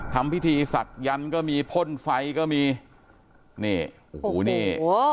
ทำพิธีศักดิ์ก็มีพ่นไฟก็มีนี่โอ้โหนี่